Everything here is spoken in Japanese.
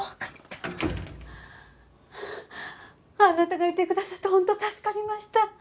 あなたがいてくださって本当助かりました。